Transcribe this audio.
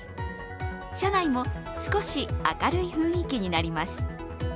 車内も少し明るい雰囲気になります。